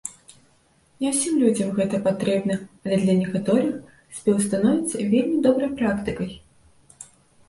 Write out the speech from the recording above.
Не ўсім людзям гэта патрэбна, але для некаторых спеў становіцца вельмі добрай практыкай.